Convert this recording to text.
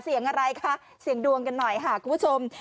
เสียงอะไรคะเสียงดวงกันหน่อยค่ะคุณผู้ชม